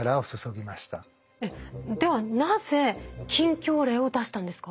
えっではなぜ禁教令を出したんですか？